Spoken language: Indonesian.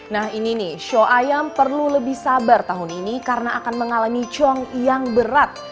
nah ini nih show ayam perlu lebih sabar tahun ini karena akan mengalami cong yang berat